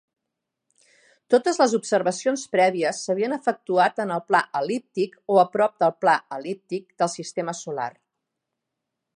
Totes les observacions prèvies s'havien efectuat en el pla el·líptic, o a prop del pla el·líptic, del sistema solar.